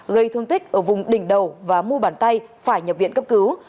gây thương tích ở vùng đỉnh đầu và mu bàn tay phải nhập viện cấp cứu